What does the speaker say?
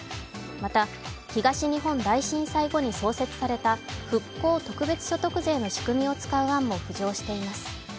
また、東日本大震災後に創設された復興特別所得税の仕組みを使う案も浮上しています。